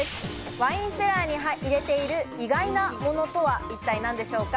ワインセラーの中に入れている意外なものとは一体何でしょうか。